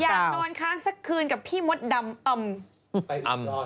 อยากนอนค้างสักคืนกับพี่มดดำ